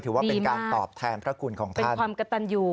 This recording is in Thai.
ถือว่าเป็นการตอบแทนพระคุณของท่านเป็นความกระตันอยู่